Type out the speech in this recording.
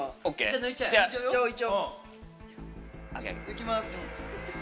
抜きます。